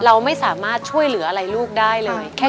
เราไม่สามารถช่วยเหลืออะไรลูกได้เลย